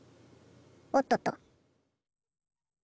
おっとっと！